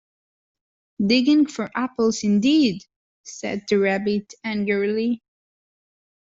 ‘Digging for apples, indeed!’ said the Rabbit angrily.